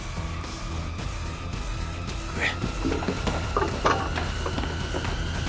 食え。